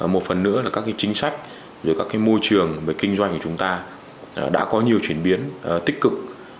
một phần nữa là các chính sách các môi trường về kinh doanh của chúng ta đã có nhiều chuyển biến tích cực